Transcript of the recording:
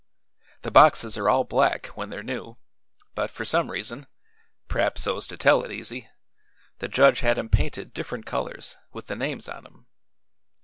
The boxes are all black, when they're new, but for some reason p'raps so's to tell it easy the judge had 'em painted different colors, with the names on 'em.